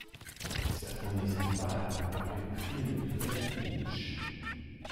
Certains n'hésitent pas à la comparer aux films de David Lynch.